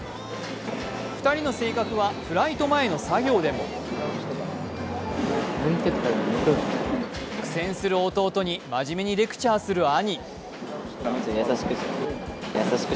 ２人の性格はフライト前の作業でも苦戦する弟に真面目にレクチャーする兄。